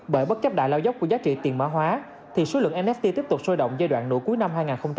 bởi bất chấp đại lao dốc của giá trị tiền mã hóa thì số lượng nst tiếp tục sôi động giai đoạn nửa cuối năm hai nghìn hai mươi